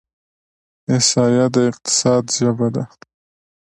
احصایه د اقتصاد ژبه ده.